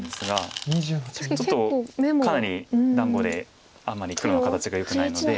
ちょっとかなり団子であんまり黒の形がよくないので。